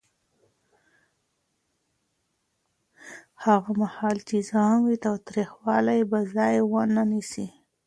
هغه مهال چې زغم وي، تاوتریخوالی به ځای ونه نیسي.